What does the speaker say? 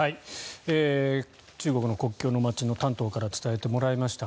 中国の国境の街の丹東から伝えてもらいました。